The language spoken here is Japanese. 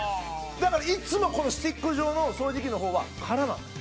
だからいつもこのスティック状の掃除機の方は空なんです。